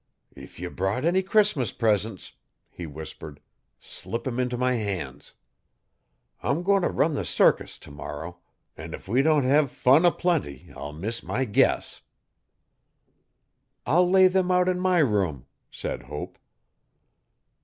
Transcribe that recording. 'If ye brought any Cnssmus presents,' he whispered, 'slip 'em into my hands. I'm goin' if run the cirkis t'morrow an' if we don't hev fun a plenty I'll miss my guess. 'I'll lay them out in my room,' said Hope.